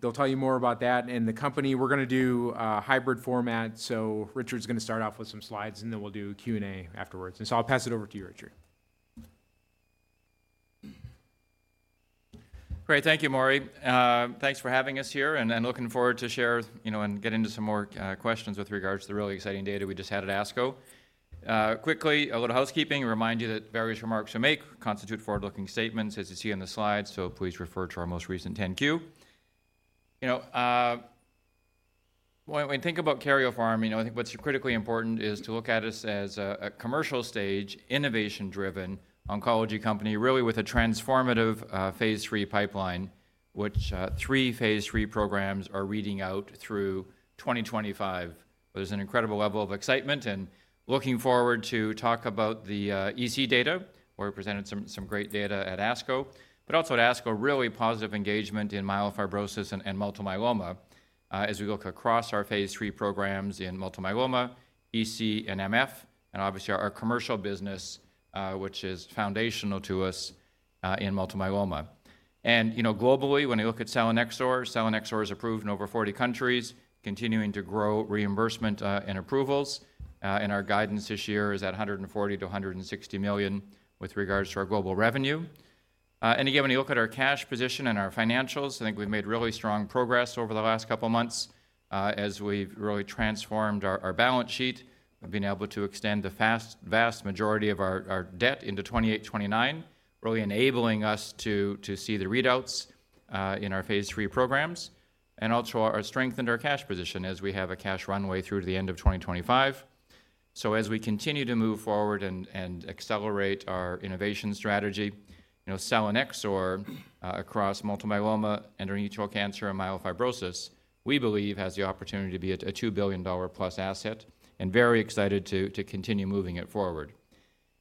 They'll tell you more about that and the company. We're going to do a hybrid format, so Richard's going to start off with some slides, and then we'll do a Q&A afterwards. So I'll pass it over to you, Richard. Great. Thank you, Maury. Thanks for having us here, and I'm looking forward to share, you know, and get into some more questions with regards to the really exciting data we just had at ASCO. Quickly, a little housekeeping to remind you that various remarks we make constitute forward-looking statements, as you see on the slide, so please refer to our most recent 10-Q. You know, when we think about Karyopharm, you know, I think what's critically important is to look at us as a commercial-stage, innovation-driven oncology company, really with a transformative Phase III pipeline, which three Phase III programs are reading out through 2025. There's an incredible level of excitement and looking forward to talk about the EC data. We presented some great data at ASCO, but also at ASCO, a really positive engagement in myelofibrosis and multiple myeloma. As we look across our Phase III programs in multiple myeloma, EC, and MF, and obviously our commercial business, which is foundational to us, in multiple myeloma. And, you know, globally, when you look at selinexor, selinexor is approved in over 40 countries, continuing to grow reimbursement and approvals. And our guidance this year is at $140 million-$160 million with regards to our global revenue. And again, when you look at our cash position and our financials, I think we've made really strong progress over the last couple of months, as we've really transformed our balance sheet. We've been able to extend the vast majority of our debt into 2028, 2029, really enabling us to see the readouts in our phase 3 programs and also strengthened our cash position as we have a cash runway through to the end of 2025. So as we continue to move forward and accelerate our innovation strategy, you know, selinexor across multiple myeloma, endometrial cancer, and myelofibrosis, we believe has the opportunity to be a $2 billion-plus asset and very excited to continue moving it forward.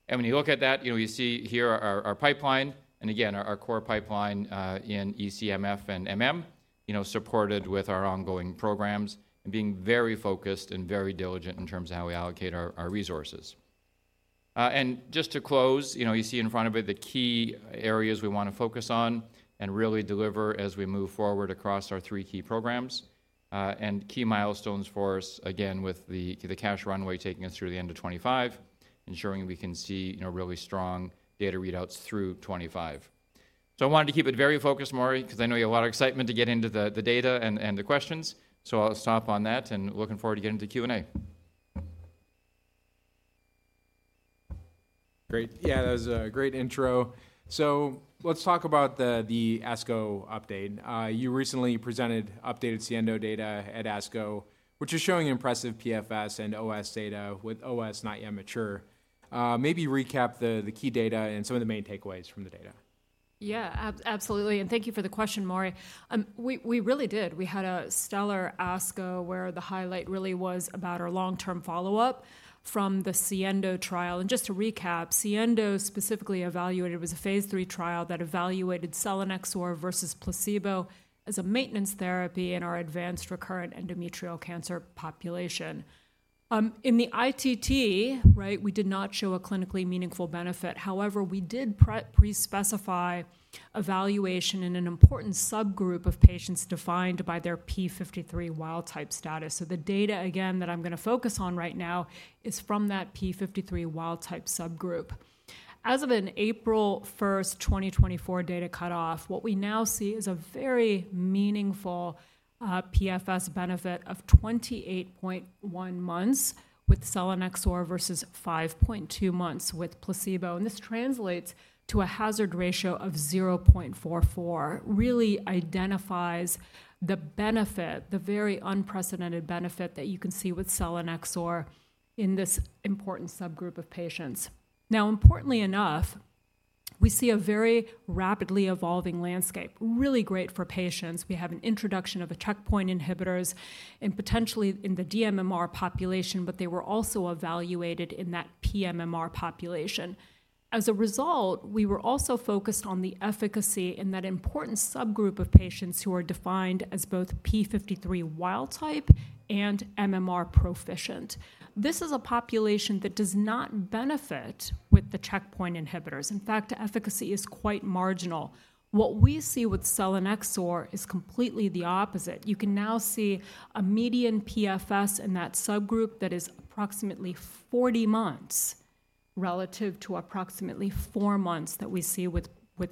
And when you look at that, you know, you see here our pipeline and again, our core pipeline in EC, MF and MM, you know, supported with our ongoing programs and being very focused and very diligent in terms of how we allocate our resources. Just to close, you know, you see in front of it the key areas we want to focus on and really deliver as we move forward across our three key programs, and key milestones for us, again, with the cash runway taking us through the end of 2025, ensuring we can see, you know, really strong data readouts through 2025. So I wanted to keep it very focused, Maury, because I know you have a lot of excitement to get into the data and the questions. So I'll stop on that and looking forward to getting to Q&A. Great. Yeah, that was a great intro. So let's talk about the ASCO update. You recently presented updated SIENDO data at ASCO, which is showing impressive PFS and OS data, with OS not yet mature. Maybe recap the key data and some of the main takeaways from the data. Yeah, absolutely, and thank you for the question, Maury. We really did. We had a stellar ASCO where the highlight really was about our long-term follow-up from the SIENDO trial. Just to recap, SIENDO specifically evaluated—was a phase 3 trial that evaluated selinexor versus placebo as a maintenance therapy in our advanced recurrent endometrial cancer population. In the ITT, right, we did not show a clinically meaningful benefit. However, we did pre-specify evaluation in an important subgroup of patients defined by their p53 wild-type status. So the data, again, that I'm going to focus on right now is from that p53 wild-type subgroup. As of April 1, 2024, data cutoff, what we now see is a very meaningful PFS benefit of 28.1 months with selinexor versus 5.2 months with placebo, and this translates to a hazard ratio of 0.44. Really identifies the benefit, the very unprecedented benefit that you can see with selinexor in this important subgroup of patients. Now, importantly enough, we see a very rapidly evolving landscape, really great for patients. We have an introduction of the checkpoint inhibitors and potentially in the dMMR population, but they were also evaluated in that pMMR population. As a result, we were also focused on the efficacy in that important subgroup of patients who are defined as both p53 wild type and MMR proficient. This is a population that does not benefit with the checkpoint inhibitors. In fact, efficacy is quite marginal. What we see with selinexor is completely the opposite. You can now see a median PFS in that subgroup that is approximately 40 months, relative to approximately 4 months that we see with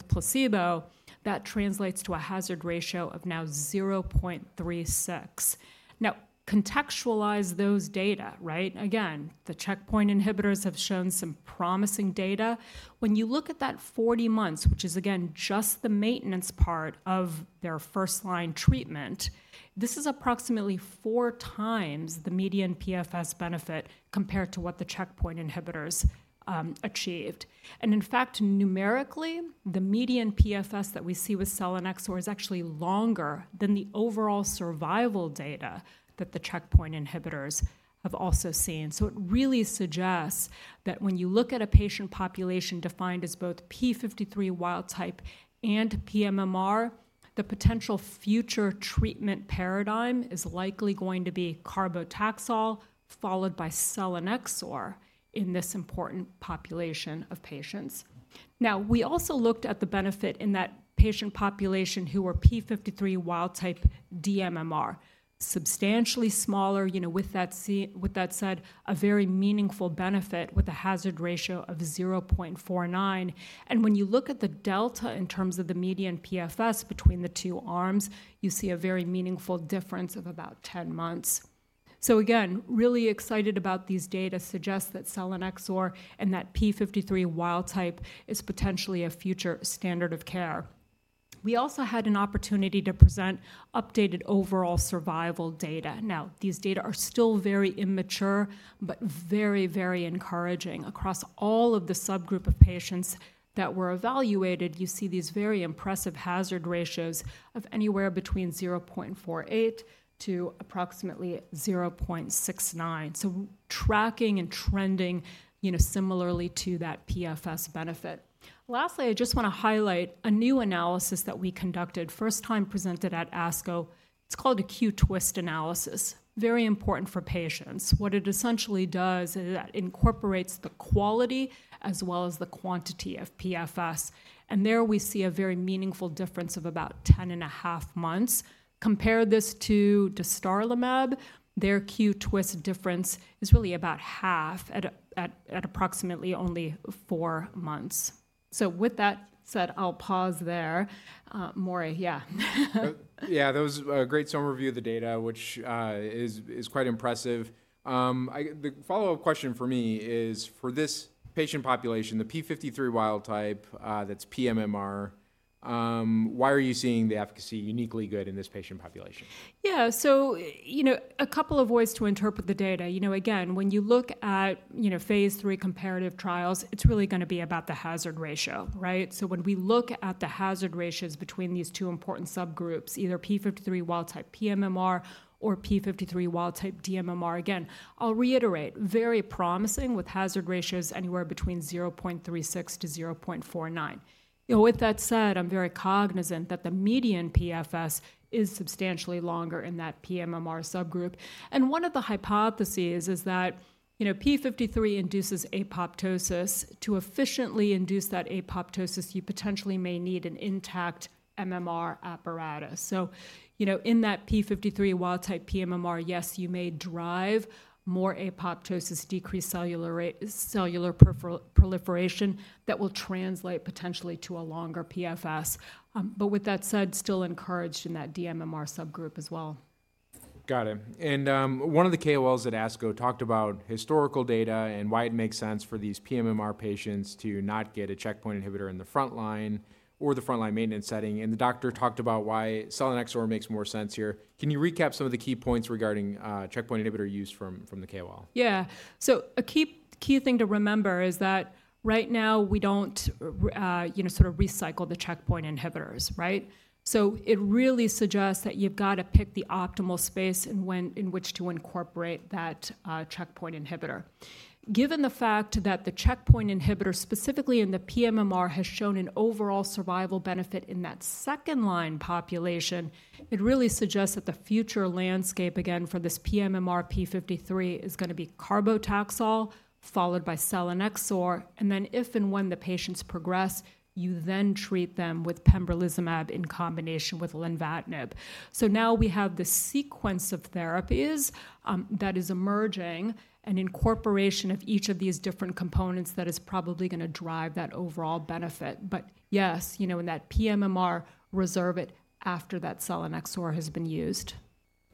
placebo. That translates to a hazard ratio of now 0.36. Now, contextualize those data, right? Again, the checkpoint inhibitors have shown some promising data. When you look at that 40 months, which is, again, just the maintenance part of their first-line treatment, this is approximately 4 times the median PFS benefit compared to what the checkpoint inhibitors achieved. And in fact, numerically, the median PFS that we see with selinexor is actually longer than the overall survival data that the checkpoint inhibitors have also seen. So it really suggests that when you look at a patient population defined as both p53 wild-type and pMMR, the potential future treatment paradigm is likely going to be carboplatin, followed by selinexor in this important population of patients. Now, we also looked at the benefit in that patient population who were p53 wild-type dMMR. Substantially smaller, you know, with that said, a very meaningful benefit with a hazard ratio of 0.49. And when you look at the delta in terms of the median PFS between the two arms, you see a very meaningful difference of about 10 months. So again, really excited about these data suggest that selinexor and that p53 wild-type is potentially a future standard of care. We also had an opportunity to present updated overall survival data. Now, these data are still very immature, but very, very encouraging. Across all of the subgroup of patients that were evaluated, you see these very impressive hazard ratios of anywhere between 0.48 to approximately 0.69. So tracking and trending, you know, similarly to that PFS benefit. Lastly, I just want to highlight a new analysis that we conducted, first time presented at ASCO. It's called a Q-TWiST analysis, very important for patients. What it essentially does is that it incorporates the quality as well as the quantity of PFS, and there we see a very meaningful difference of about 10.5 months. Compare this to dostarlimab, their Q-TWiST difference is really about half at approximately only 4 months. So with that said, I'll pause there. Maury, yeah. Yeah, that was a great summary of the data, which is quite impressive. The follow-up question for me is: for this patient population, the p53 wild type, that's pMMR, why are you seeing the efficacy uniquely good in this patient population? Yeah, so you know, a couple of ways to interpret the data. You know, again, when you look at, you know, phase III comparative trials, it's really going to be about the hazard ratio, right? So when we look at the hazard ratios between these two important subgroups, either p53 wild-type pMMR or p53 wild-type dMMR, again, I'll reiterate, very promising, with hazard ratios anywhere between 0.36-0.49. You know, with that said, I'm very cognizant that the median PFS is substantially longer in that pMMR subgroup. And one of the hypotheses is that, you know, p53 induces apoptosis. To efficiently induce that apoptosis, you potentially may need an intact MMR apparatus. So you know, in that p53 wild-type pMMR, yes, you may drive more apoptosis, decreased cellular proliferation that will translate potentially to a longer PFS. But with that said, still encouraged in that dMMR subgroup as well. Got it. And, one of the KOLs at ASCO talked about historical data and why it makes sense for these pMMR patients to not get a checkpoint inhibitor in the frontline or the frontline maintenance setting, and the doctor talked about why Selinexor makes more sense here. Can you recap some of the key points regarding checkpoint inhibitor use from the KOL? Yeah. So a key thing to remember is that right now, we don't, you know, sort of recycle the checkpoint inhibitors, right? So it really suggests that you've got to pick the optimal space and in which to incorporate that checkpoint inhibitor. Given the fact that the checkpoint inhibitor, specifically in the pMMR, has shown an overall survival benefit in that second-line population, it really suggests that the future landscape, again, for this pMMR p53 is going to be Carboplatin, followed by Selinexor, and then if and when the patients progress, you then treat them with pembrolizumab in combination with lenvatinib. So now we have the sequence of therapies that is emerging, and incorporation of each of these different components that is probably going to drive that overall benefit. But yes, you know, in that pMMR, reserve it after that Selinexor has been used.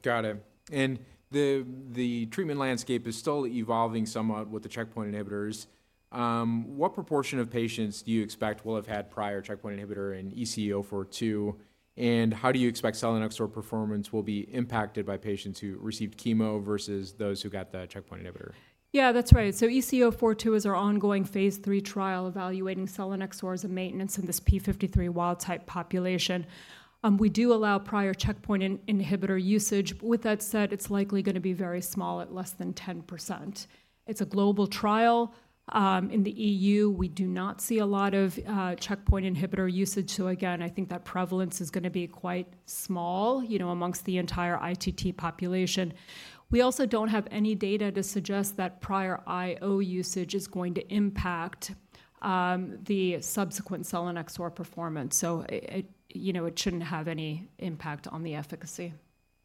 Got it. And the treatment landscape is still evolving somewhat with the checkpoint inhibitors. What proportion of patients do you expect will have had prior checkpoint inhibitor in XPORT-EC-042, and how do you expect Selinexor performance will be impacted by patients who received chemo versus those who got the checkpoint inhibitor? Yeah, that's right. So ECO42 is our ongoing phase 3 trial evaluating selinexor as a maintenance in this p53 wild-type population. We do allow prior checkpoint inhibitor usage. With that said, it's likely going to be very small, at less than 10%. It's a global trial. In the EU, we do not see a lot of checkpoint inhibitor usage. So again, I think that prevalence is going to be quite small, you know, among the entire ITT population. We also don't have any data to suggest that prior IO usage is going to impact the subsequent selinexor performance, so it, you know, it shouldn't have any impact on the efficacy.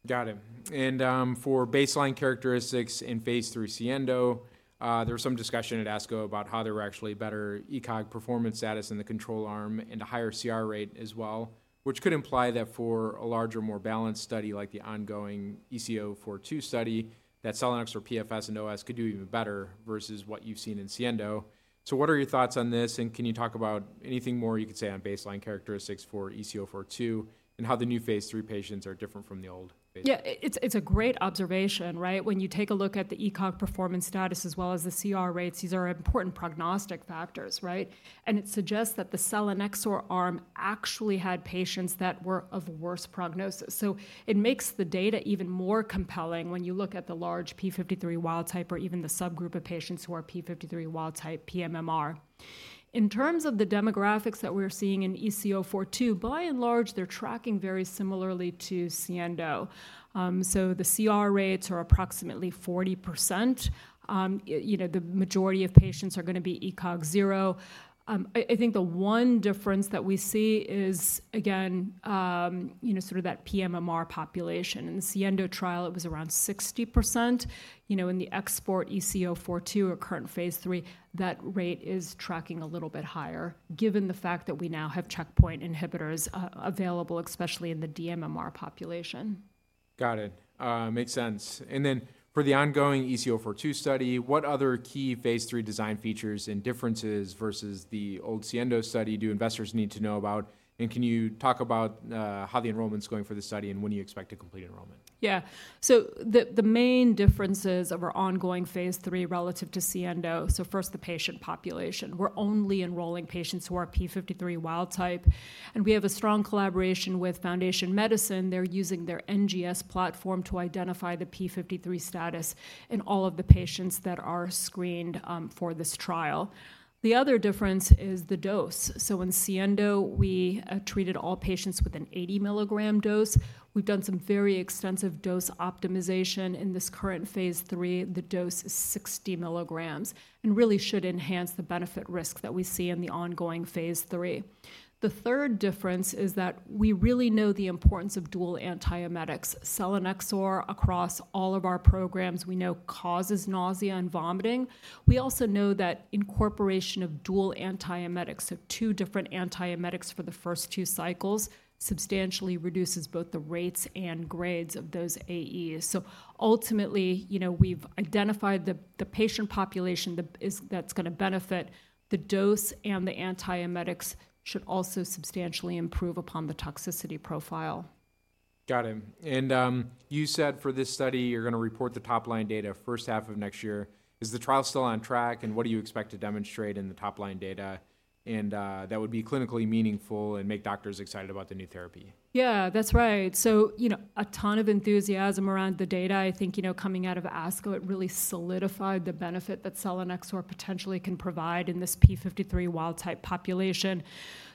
Got it. For baseline characteristics in phase 3 SIENDO, there was some discussion at ASCO about how there were actually better ECOG performance status in the control arm and a higher CR rate as well, which could imply that for a larger, more balanced study, like the ongoing XPORT-EC-042 study, that Selinexor PFS and OS could do even better versus what you've seen in SIENDO. So what are your thoughts on this, and can you talk about anything more you could say on baseline characteristics for XPORT-EC-042 and how the new phase 3 patients are different from the old phase...? Yeah, it's a great observation, right? When you take a look at the ECOG performance status as well as the CR rates, these are important prognostic factors, right? And it suggests that the selinexor arm actually had patients that were of worse prognosis. So it makes the data even more compelling when you look at the large p53 wild-type or even the subgroup of patients who are p53 wild-type pMMR. In terms of the demographics that we're seeing in ECO42, by and large, they're tracking very similarly to SIENDO. So the CR rates are approximately 40%. You know, the majority of patients are going to be ECOG 0. I think the one difference that we see is, again, you know, sort of that pMMR population. In the SIENDO trial, it was around 60%. You know, in the XPORT-EC-042, our current phase III, that rate is tracking a little bit higher, given the fact that we now have checkpoint inhibitors available, especially in the dMMR population.... Got it. Makes sense. Then for the ongoing ECO-42 study, what other key phase 3 design features and differences versus the old SIENDO study do investors need to know about? And can you talk about how the enrollment's going for the study, and when do you expect to complete enrollment? Yeah. So the main differences of our ongoing phase 3 relative to SIENDO, so first, the patient population. We're only enrolling patients who are p53 wild type, and we have a strong collaboration with Foundation Medicine. They're using their NGS platform to identify the p53 status in all of the patients that are screened for this trial. The other difference is the dose. So in SIENDO, we treated all patients with an 80-milligram dose. We've done some very extensive dose optimization in this current phase 3. The dose is 60 milligrams and really should enhance the benefit risk that we see in the ongoing phase 3. The third difference is that we really know the importance of dual antiemetics. Selinexor, across all of our programs, we know causes nausea and vomiting. We also know that incorporation of dual antiemetics, so 2 different antiemetics for the first 2 cycles, substantially reduces both the rates and grades of those AEs. So ultimately, you know, we've identified the patient population that's going to benefit. The dose and the antiemetics should also substantially improve upon the toxicity profile. Got it. And, you said for this study, you're going to report the top-line data first half of next year. Is the trial still on track, and what do you expect to demonstrate in the top-line data, and, that would be clinically meaningful and make doctors excited about the new therapy? Yeah, that's right. So, you know, a ton of enthusiasm around the data. I think, you know, coming out of ASCO, it really solidified the benefit that selinexor potentially can provide in this p53 wild-type population.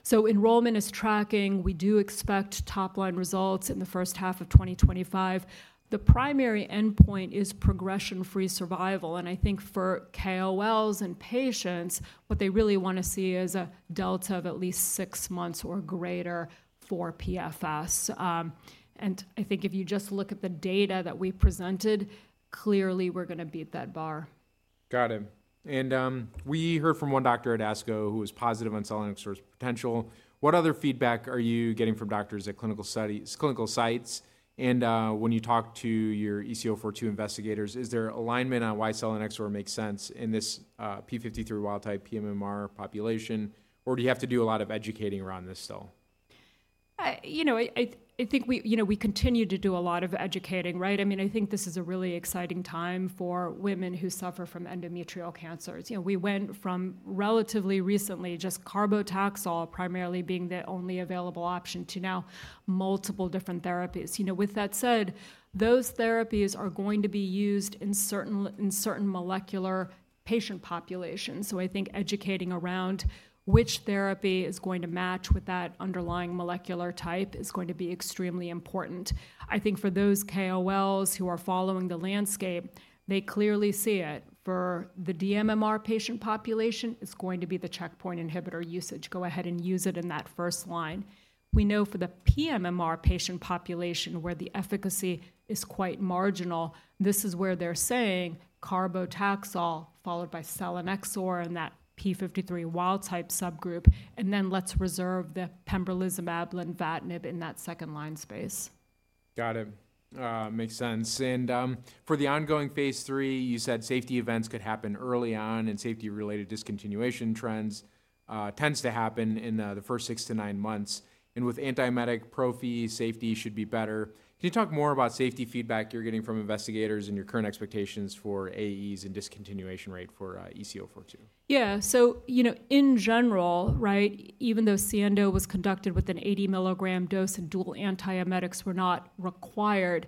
So enrollment is tracking. We do expect top-line results in the first half of 2025. The primary endpoint is progression-free survival, and I think for KOLs and patients, what they really want to see is a delta of at least six months or greater for PFS. And I think if you just look at the data that we presented, clearly we're going to beat that bar. Got it. And, we heard from one doctor at ASCO who was positive on Selinexor's potential. What other feedback are you getting from doctors at clinical sites? And, when you talk to your XPORT-EC-042 investigators, is there alignment on why Selinexor makes sense in this, p53 wild-type pMMR population, or do you have to do a lot of educating around this still? You know, I think we, you know, we continue to do a lot of educating, right? I mean, I think this is a really exciting time for women who suffer from endometrial cancers. You know, we went from relatively recently, just Carboplatin primarily being the only available option to now multiple different therapies. You know, with that said, those therapies are going to be used in certain molecular patient populations. So I think educating around which therapy is going to match with that underlying molecular type is going to be extremely important. I think for those KOLs who are following the landscape, they clearly see it. For the dMMR patient population, it's going to be the checkpoint inhibitor usage. Go ahead and use it in that first line. We know for the pMMR patient population, where the efficacy is quite marginal, this is where they're saying carboplatin, followed by selinexor in that p53 wild-type subgroup, and then let's reserve the pembrolizumab and lenvatinib in that second-line space. Got it. Makes sense. And, for the ongoing phase III, you said safety events could happen early on, and safety-related discontinuation trends tends to happen in the first six to nine months, and with antiemetic prophy, safety should be better. Can you talk more about safety feedback you're getting from investigators and your current expectations for AEs and discontinuation rate for XPORT-EC-042? Yeah. So, you know, in general, right, even though SIENDO was conducted with an 80-milligram dose and dual antiemetics were not required,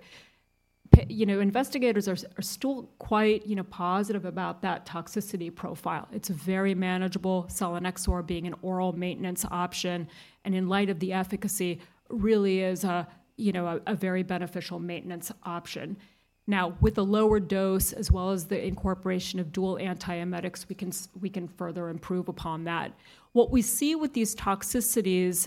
you know, investigators are still quite, you know, positive about that toxicity profile. It's very manageable, selinexor being an oral maintenance option, and in light of the efficacy, really is a, you know, a very beneficial maintenance option. Now, with a lower dose, as well as the incorporation of dual antiemetics, we can further improve upon that. What we see with these toxicities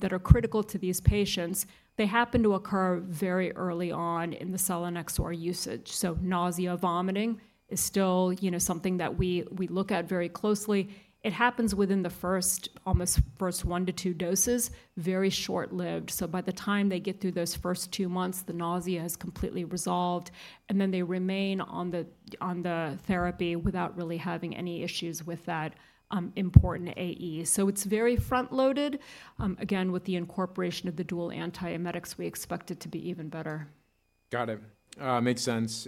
that are critical to these patients, they happen to occur very early on in the selinexor usage. So nausea, vomiting is still, you know, something that we look at very closely. It happens within the first, almost first 1-2 doses, very short-lived. So by the time they get through those first two months, the nausea is completely resolved, and then they remain on the therapy without really having any issues with that, important AE. So it's very front-loaded. Again, with the incorporation of the dual antiemetics, we expect it to be even better. Got it. Makes sense.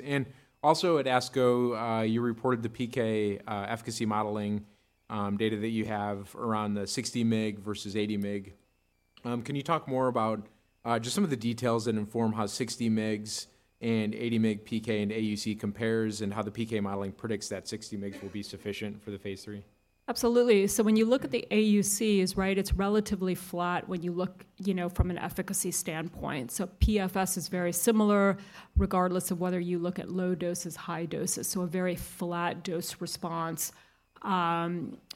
Also at ASCO, you reported the PK, efficacy modeling, data that you have around the 60 mg versus 80 mg. Can you talk more about, just some of the details that inform how 60 mgs and 80 mg PK and AUC compares, and how the PK modeling predicts that 60 mgs will be sufficient for the phase III? Absolutely. So when you look at the AUCs, right, it's relatively flat when you look, you know, from an efficacy standpoint. So PFS is very similar, regardless of whether you look at low doses, high doses, so a very flat dose response,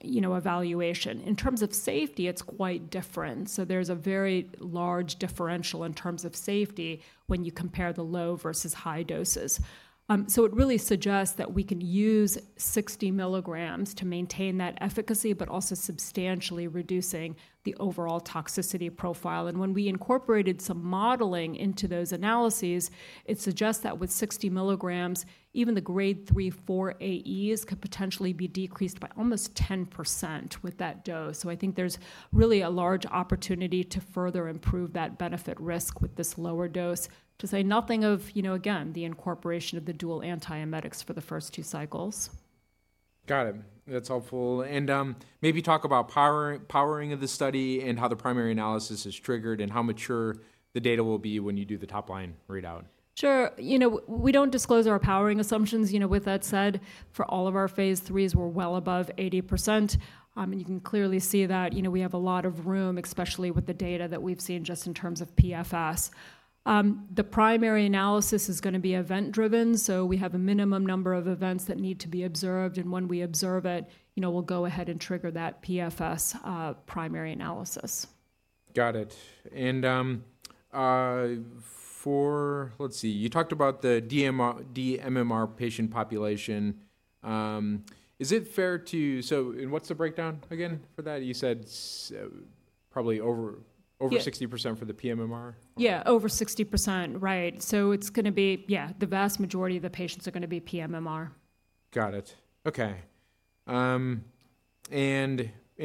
you know, evaluation. In terms of safety, it's quite different. So there's a very large differential in terms of safety when you compare the low versus high doses. So it really suggests that we can use 60 milligrams to maintain that efficacy, but also substantially reducing the overall toxicity profile. And when we incorporated some modeling into those analyses, it suggests that with 60 milligrams, even the grade 3, 4 AEs could potentially be decreased by almost 10% with that dose. I think there's really a large opportunity to further improve that benefit risk with this lower dose, to say nothing of, you know, again, the incorporation of the dual antiemetics for the first two cycles. Got it. That's helpful. And, maybe talk about power, powering of the study and how the primary analysis is triggered, and how mature the data will be when you do the top-line readout. Sure. You know, we don't disclose our powering assumptions. You know, with that said, for all of our Phase III's, we're well above 80%. And you can clearly see that, you know, we have a lot of room, especially with the data that we've seen just in terms of PFS. The primary analysis is going to be event-driven, so we have a minimum number of events that need to be observed, and when we observe it, you know, we'll go ahead and trigger that PFS primary analysis. Got it. Let's see, you talked about the dMMR patient population. Is it fair to... So, what's the breakdown again for that? You said s- probably over- Yeah... over 60% for the pMMR? Yeah, over 60%. Right. So it's going to be... Yeah, the vast majority of the patients are going to be pMMR. Got it. Okay. And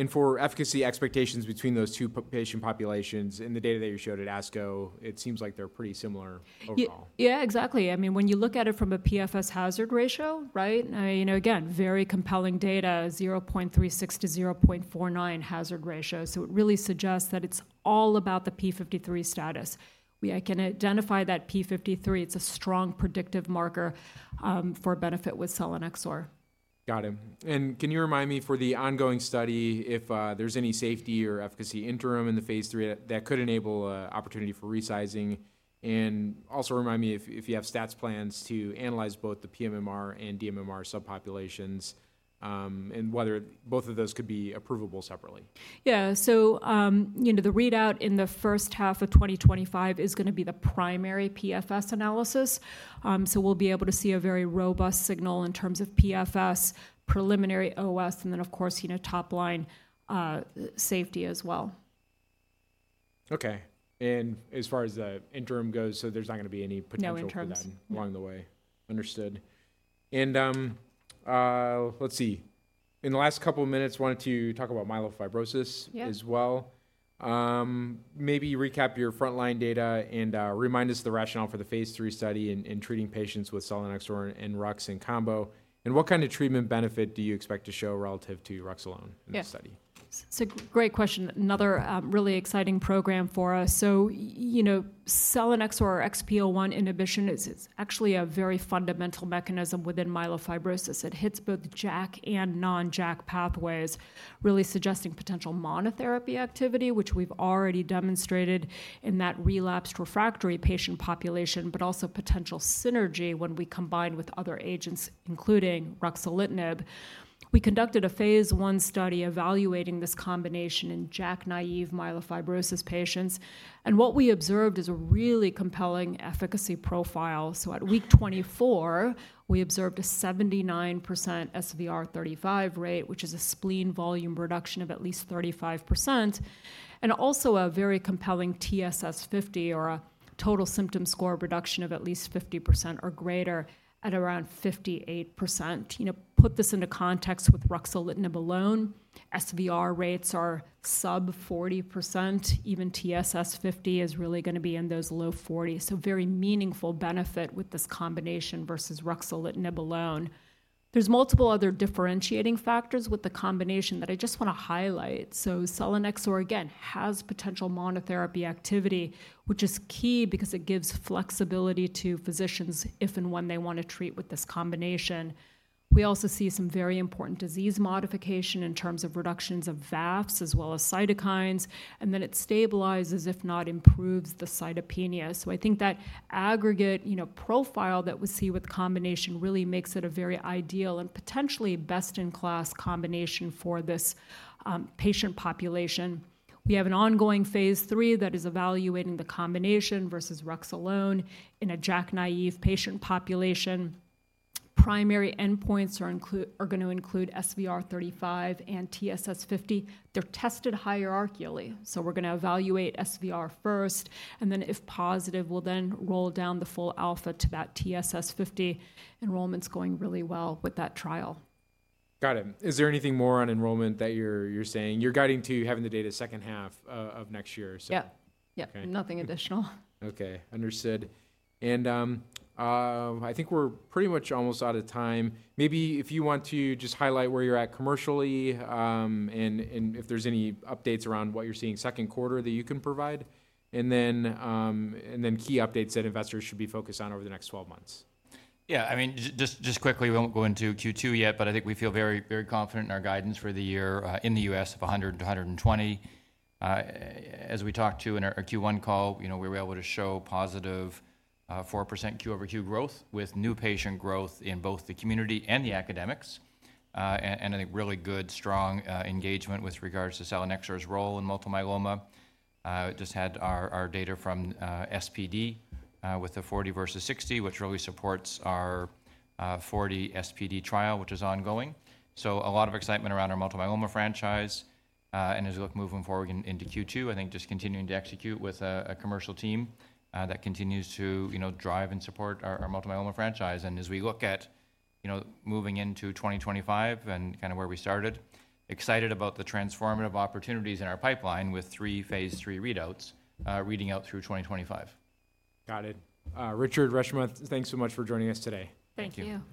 for efficacy expectations between those two patient populations in the data that you showed at ASCO, it seems like they're pretty similar overall. Yeah, exactly. I mean, when you look at it from a PFS hazard ratio, right? You know, again, very compelling data, 0.36-0.49 hazard ratio. So it really suggests that it's all about the p53 status. We, I can identify that p53, it's a strong predictive marker for benefit with Selinexor. Got it. And can you remind me for the ongoing study, if there's any safety or efficacy interim in the phase 3 that could enable an opportunity for resizing? And also remind me if you have stats plans to analyze both the pMMR and dMMR subpopulations, and whether both of those could be approvable separately. Yeah. So, you know, the readout in the first half of 2025 is going to be the primary PFS analysis. So we'll be able to see a very robust signal in terms of PFS, preliminary OS, and then, of course, you know, top line, safety as well. Okay. And as far as the interim goes, so there's not going to be any potential for that- No interims... along the way. Understood. And, let's see. In the last couple of minutes, wanted to talk about myelofibrosis- Yeah... as well. Maybe recap your frontline data and remind us the rationale for the phase 3 study in treating patients with selinexor and rux in combo, and what kind of treatment benefit do you expect to show relative to rux alone? Yeah... in this study? It's a great question. Another really exciting program for us. So, you know, Selinexor XPO1 inhibition is, it's actually a very fundamental mechanism within myelofibrosis. It hits both JAK and non-JAK pathways, really suggesting potential monotherapy activity, which we've already demonstrated in that relapsed refractory patient population, but also potential synergy when we combine with other agents, including ruxolitinib. We conducted a phase I study evaluating this combination in JAK-naive myelofibrosis patients, and what we observed is a really compelling efficacy profile. So at week 24, we observed a 79% SVR35 rate, which is a spleen volume reduction of at least 35%, and also a very compelling TSS50 or a total symptom score reduction of at least 50% or greater at around 58%. You know, put this into context with ruxolitinib alone, SVR rates are sub 40%. Even TSS50 is really going to be in those low forties. So very meaningful benefit with this combination versus ruxolitinib alone. There's multiple other differentiating factors with the combination that I just want to highlight. So Selinexor, again, has potential monotherapy activity, which is key because it gives flexibility to physicians if and when they want to treat with this combination. We also see some very important disease modification in terms of reductions of VAFs as well as cytokines, and then it stabilizes, if not improves, the cytopenia. So I think that aggregate, you know, profile that we see with combination really makes it a very ideal and potentially best-in-class combination for this, patient population. We have an ongoing phase 3 that is evaluating the combination versus Rux alone in a JAK-naive patient population. Primary endpoints are going to include SVR35 and TSS50. They're tested hierarchically, so we're going to evaluate SVR first, and then if positive, we'll then roll down the full alpha to that TSS50. Enrollment's going really well with that trial. Got it. Is there anything more on enrollment that you're saying? You're guiding to having the data second half of next year, so- Yeah. Yeah. Okay. Nothing additional. Okay, understood. I think we're pretty much almost out of time. Maybe if you want to just highlight where you're at commercially, and if there's any updates around what you're seeing second quarter that you can provide, and then key updates that investors should be focused on over the next 12 months. Yeah, I mean, just quickly, we won't go into Q2 yet, but I think we feel very, very confident in our guidance for the year, in the US of $100-$120. As we talked to in our Q1 call, you know, we were able to show positive, 4% quarter-over-quarter growth, with new patient growth in both the community and the academics. And a really good, strong, engagement with regards to Selinexor's role in multiple myeloma. Just had our data from SPD, with the 40 versus 60, which really supports our 40 SPD trial, which is ongoing. So a lot of excitement around our multiple myeloma franchise. And as we look moving forward into Q2, I think just continuing to execute with a commercial team that continues to, you know, drive and support our multiple myeloma franchise. And as we look at, you know, moving into 2025 and kind of where we started, excited about the transformative opportunities in our pipeline with three phase 3 readouts reading out through 2025. Got it. Richard, Reshma, thanks so much for joining us today. Thank you. Thank you.